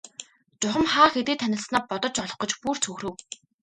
Чухам хаа хэдийд танилцсанаа бодож олох гэж бүр цөхрөв.